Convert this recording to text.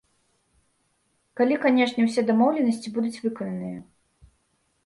Калі, канешне, усе дамоўленасці будуць выкананыя.